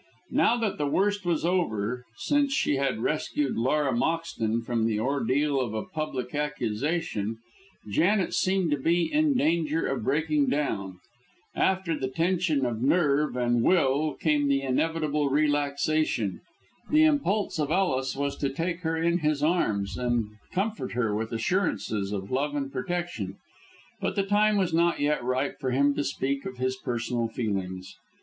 Now that the worst was over since she had rescued Laura Moxton from the ordeal of a public accusation Janet seemed to be in danger of breaking down. After the tension of nerve and will came the inevitable relaxation. The impulse of Ellis was to take her in his arms, and comfort her with assurances of love and protection. But the time was not yet ripe for him to speak of his personal feelings.